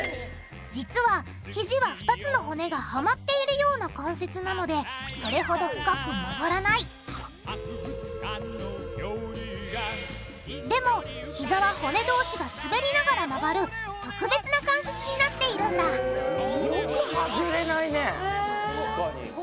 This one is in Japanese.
実はひじは２つの骨がはまっているような関節なのでそれほど深く曲がらないでもひざは骨同士がすべりながら曲がる特別な関節になっているんだよくはずれないね。